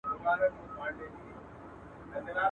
د پادوان پر خپله غوا نظر وي.